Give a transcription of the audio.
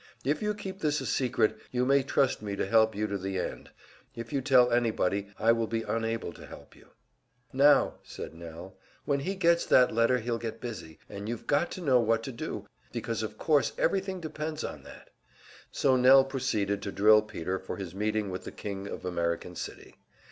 If you keep this a secret, you may trust me to help you to the end. If you tell anybody, I will be unable to help you." "Now," said Nell, "when he gets that letter he'll get busy, and you've got to know what to do, because of course everything depends on that." So Nell proceeded to drill Peter for his meeting with the King of American City.